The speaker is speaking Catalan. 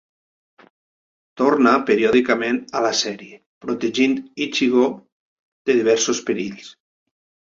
Torna periòdicament a la sèrie, protegint Ichigo de diversos perills.